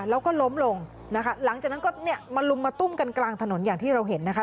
แล้วก็ล้มลงนะคะหลังจากนั้นก็เนี่ยมาลุมมาตุ้มกันกลางถนนอย่างที่เราเห็นนะคะ